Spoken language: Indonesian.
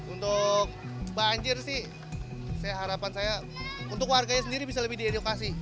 untuk banjir sih harapan saya untuk warganya sendiri bisa lebih diedukasi